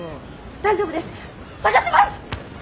大丈夫です探します！